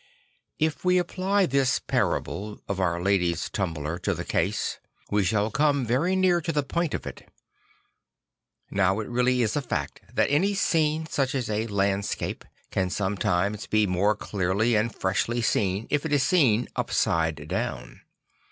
If we apply this parable of Our Lady's Tumbler to the case, we shall come very near to the point of it. Now it really is a fact that any scene such as a landsca pe can sonletimes be more clearly and freshly seen if it is seen upside do\vn.